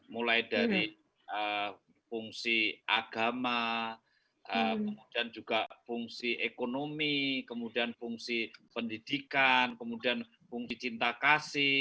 mulai dari fungsi agama kemudian juga fungsi ekonomi kemudian fungsi pendidikan kemudian fungsi cinta kasih